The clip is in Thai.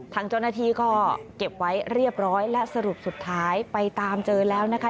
ทางเจ้าหน้าที่ก็เก็บไว้เรียบร้อยและสรุปสุดท้ายไปตามเจอแล้วนะคะ